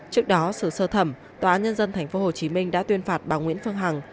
trước đó sửa sơ thẩm tòa án nhân dân tp hcm đã tuyên phạt bà nguyễn phương hằng